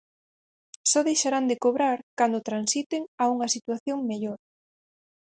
Só deixarán de cobrar cando transiten a unha situación mellor.